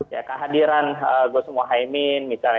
ya kehadiran gosmo chaimin misalnya